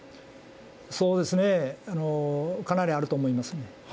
そうですね、かなりあると思いますね。